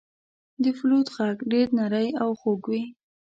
• د فلوت ږغ ډېر نری او خوږ وي.